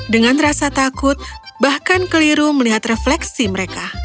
dengan rasa takut bahkan keliru melihat refleksi mereka